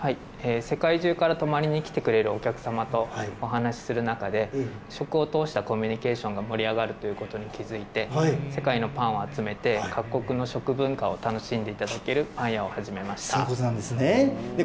世界中から泊まりに来てくれるお客様とお話する中で、食を通したコミュニケーションが盛り上がるということに気付いて、世界のパンを集めて、各国の食文化を楽しんでいただけるパン屋を始めました。